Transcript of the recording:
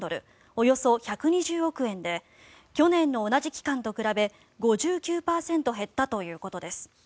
およそ１２０億円で去年の同じ期間と比べ５９％減ったということです。